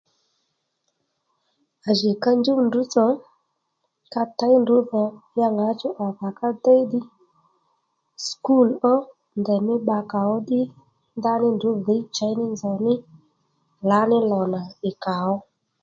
À jì ka njúw ndrǔ tsò ka těy ndrǔ dhò ya ŋǎchú kà ka déy ddiy sùkúl ó ndèymí bba kàó ddí ndaní ndrǔ dhǐy chěy ní nzòw ní lǎní lò nà ì kàó